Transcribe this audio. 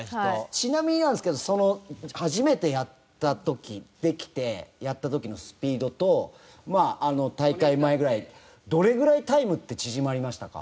ちなみになんですけど初めてやった時できてやった時のスピードとまあ大会前ぐらいどれぐらいタイムって縮まりましたか？